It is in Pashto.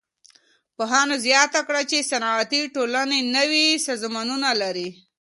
پوهانو زياته کړه چي صنعتي ټولني نوي سازمانونه لري.